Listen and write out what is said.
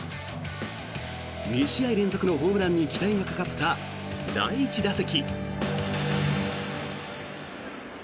２試合連続のホームランに期待がかかった第１打席。